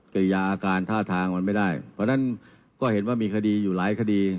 กิริยาอาการท่าทางมันไม่ได้เพราะฉะนั้นก็เห็นว่ามีคดีอยู่หลายคดี